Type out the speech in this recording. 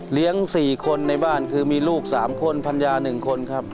๔คนในบ้านคือมีลูก๓คนภรรยา๑คนครับ